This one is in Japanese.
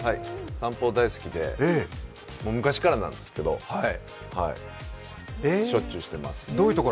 散歩大好きで昔からなんですけどしょっちゅうしてます。